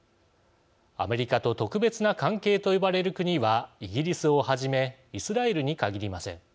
アメリカと特別な関係と呼ばれる国はイギリスをはじめイスラエルに限りません。